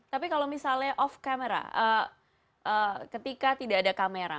tapi kalau misalnya of camera ketika tidak ada kamera